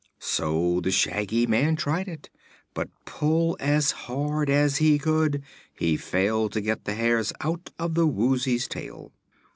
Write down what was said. So the Shaggy Man tried it, but pull as hard as he could he failed to get the hairs out of the Woozy's tail.